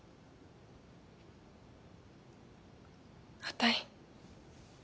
あたい